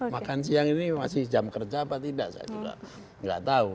makan siang ini masih jam kerja apa tidak saya juga nggak tahu